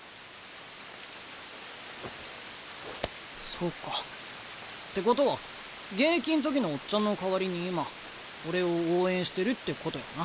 そうか。ってことは現役ん時のオッチャンの代わりに今俺を応援してるってことやな。